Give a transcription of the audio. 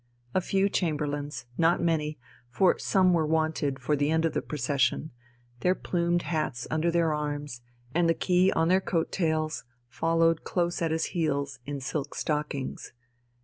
A few chamberlains not many, for some were wanted for the end of the procession their plumed hats under their arms and the Key on their coat tails, followed close at his heels, in silk stockings.